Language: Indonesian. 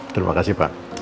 terima kasih pak